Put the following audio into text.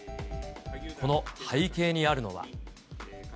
この背景にあるのは。